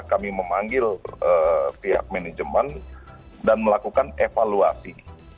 kami memanggil pihak manajemen dan melakukan evaluasi